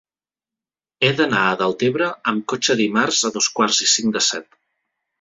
He d'anar a Deltebre amb cotxe dimarts a dos quarts i cinc de set.